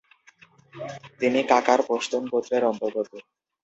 তিনি কাকার পশতুন গোত্রের অন্তর্গত।